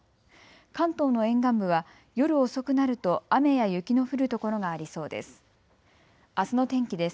関東の沿岸部は夜遅くなると雨や雪の降る所がありそうです。